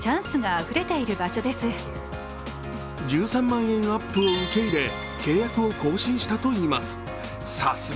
１３万円アップを受け入れ契約を更新したといいます。